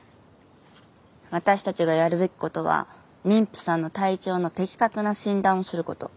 私たちがやるべき事は妊婦さんの体調の的確な診断をする事。